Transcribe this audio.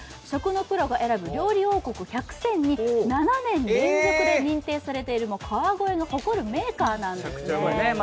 食のプロが選ぶ、料理王国１００選に７年連続で認定されている川越の誇るメーカーなんですね。